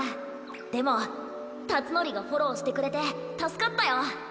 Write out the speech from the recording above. でもたつのりがフォローしてくれてたすかったよ！